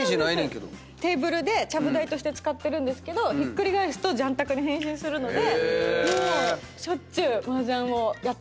テーブルでちゃぶ台として使ってるけどひっくり返すと雀卓に変身するのでしょっちゅう麻雀をやってます。